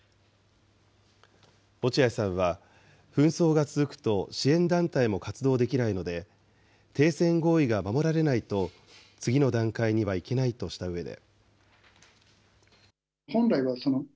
落合さんは、紛争が続くと支援団体も活動できないので、停戦合意が守られないと次の段階にはいけないとしたうえで。